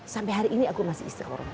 sampai hari ini aku masih istihormat